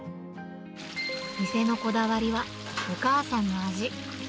店のこだわりは、お母さんの味。